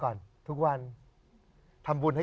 ของคุณได้เลขเท่าไหร่